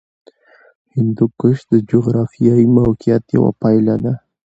هندوکش د جغرافیایي موقیعت یوه پایله ده.